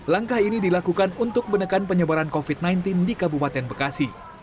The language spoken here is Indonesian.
langkah ini dilakukan untuk menekan penyebaran covid sembilan belas di kabupaten bekasi